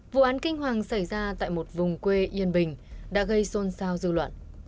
vụ án kinh hoàng xảy ra tại một vùng quê yên bình đã gây xôn xao dư luận